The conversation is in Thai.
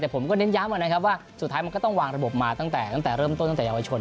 แต่ผมก็เน้นย้ำนะครับว่าสุดท้ายมันก็ต้องวางระบบมาตั้งแต่เริ่มต้นตั้งแต่เยาวชน